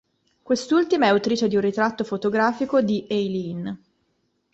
Quest'ultima è autrice di un ritratto fotografico di Eileen.